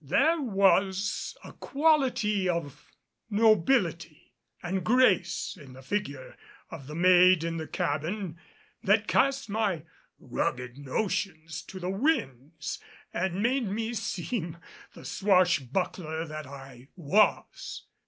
There was a quality of nobility and grace in the figure of the maid in the cabin that cast my rugged notions to the winds and made me seem the swash buckler that I was.